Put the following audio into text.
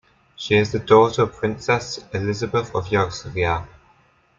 She is the daughter of Princess Elizabeth of Yugoslavia.